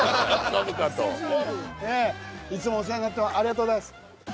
いつもお世話になってありがとうございます。